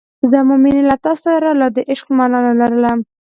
زما مینې له تا سره لا د عشق مانا نه لرله.